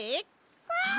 うん！